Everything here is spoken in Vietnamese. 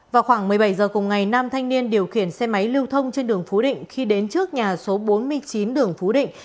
vào khoảng một mươi bảy h cùng ngày nam thanh niên điều khiển xe máy lưu thông trên đường phú định khi đến trước nhà số bốn mươi chín đường phú định